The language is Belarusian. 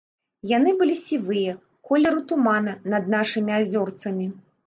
Яны былі сівыя, колеру тумана над нашымі азёрцамі.